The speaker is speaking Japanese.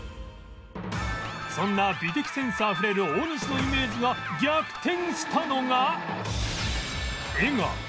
そんな美的センスあふれる大西のイメージが逆転したのが